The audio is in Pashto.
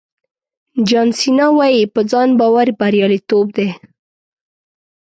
جان سینا وایي په ځان باور بریالیتوب دی.